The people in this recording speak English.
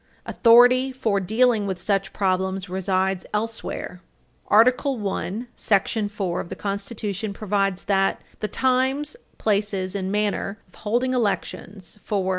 Authority for dealing with such problems resides elsewhere. Article I, § 4 of the Constitution provides that "The Times, Places and Manner of holding Elections for